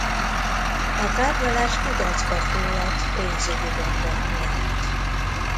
A tárgyalás kudarcba fulladt pénzügyi gondok miatt.